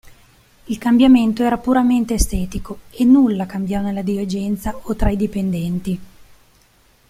Il cambiamento era puramente estetico e nulla cambiò nella dirigenza o tra i dipendenti.